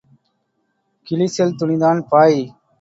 கிழிசல் துணிதான் பாய்.